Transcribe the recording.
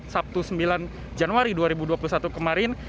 sabtu sembilan januari dua ribu dua puluh satu kemarin